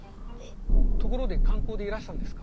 ところで観光でいらしたんですか？